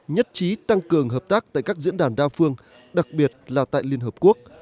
nhất trí tăng cường hợp tác tại các diễn đàn đa phương đặc biệt là tại liên hợp quốc